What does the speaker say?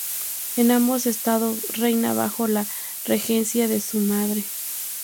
En ambos estados reina bajo la regencia de su madre.